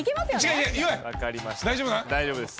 大丈夫です。